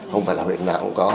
không phải là huyện nào cũng có